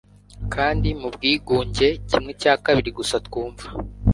kandi, mu bwigunge, kimwe cya kabiri gusa twumva